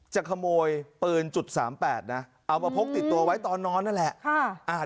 จะขโมยปืน๓๘นะเอามาพกติดตัวไว้ตอนนอนนั่นแหละ